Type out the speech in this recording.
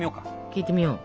聞いてみよう。